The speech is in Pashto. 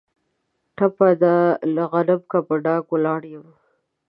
ټپه ده: لکه غنم په ډاګ ولاړ یم.